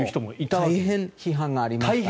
大変批判がありましたね。